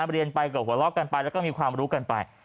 เรียนไปก็หัวเราะกันไปแล้วก็มีความรู้กันไป